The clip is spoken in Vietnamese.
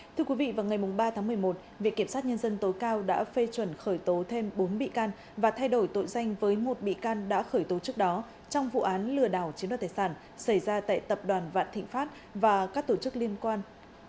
thưa quý vị vào ngày ba tháng một mươi một viện kiểm sát nhân dân tối cao đã phê chuẩn khởi tố thêm bốn bị can và thay đổi tội danh với một bị can đã khởi tố trước đó trong vụ án lừa đảo chiếm đoạt tài sản xảy ra tại tập đoàn vạn thịnh pháp và các tổ chức liên quan